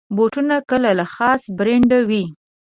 بوټونه کله له خاص برانډ وي.